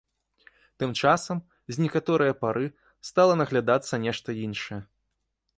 Тым часам, з некаторае пары, стала наглядацца нешта іншае.